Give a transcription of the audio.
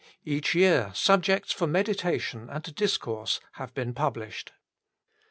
Each year subjects for meditation and discourse have been published.